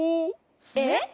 えっ？